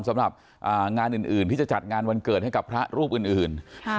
สำหรับงานอื่นที่จะจัดงานวันเกิดให้กับพระรูปอื่น